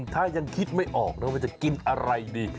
ถ้ายังคิดไม่ออกนะว่าจะกินอะไรดี